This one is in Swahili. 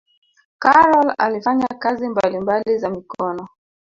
karol alifanya kazi mbalimbali za mikono